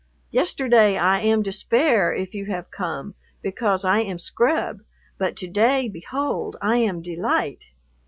Yesterday I am despair if you have come because I am scrub, but to day, behold, I am delight."